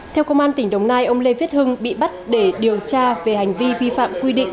theo công an tỉnh đồng nai ông lê viết hưng bị bắt để điều tra về hành vi vi phạm quy định